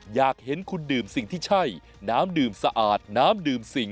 อยากเห็นคุณดื่มสิ่งที่ใช่น้ำดื่มสะอาดน้ำดื่มสิ่ง